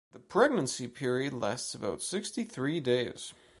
The pregnancy period lasts about sixty three days.